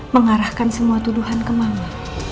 mengarahkan semua tuduhan ke mama